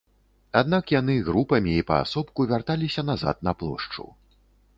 Аднак яны групамі і паасобку вярталіся назад на плошчу.